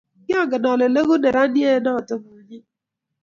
Kiangen ale leku neranie noto bunyin